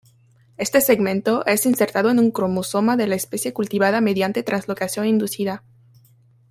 Este segmento es insertado en un cromosoma de la especie cultivada mediante translocación inducida.